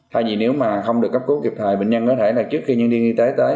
thay vì nếu mà không được cấp cứu kịp thời bệnh nhân có thể là trước khi nhân viên y tế tới